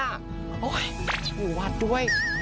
โอ้โหอยู่วัดด้วย